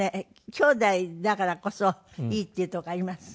兄弟だからこそいいっていうとこあります？